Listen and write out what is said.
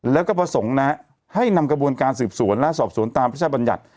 แล้วก็ประสงค์นะให้นำกระบวนการสืบสวนและสอบสวนตามพระชาบัญญัติ